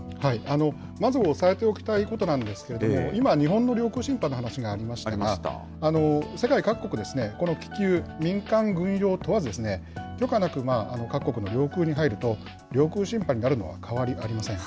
まず押さえておきたいことなんですけど、今、日本の領空侵犯の話がありましたが、世界各国ですね、この気球、民間、軍用問わず、許可なく各国の領空に入ると、領空侵犯になるのは変わりありません。